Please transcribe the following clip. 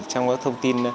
trong các thông tin